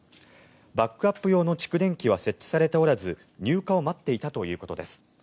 バックアップ用の蓄電池は設置されておらず入荷を待っていたということです。